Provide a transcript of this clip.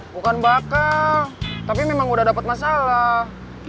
bukan bakal tapi memang udah dapat masalah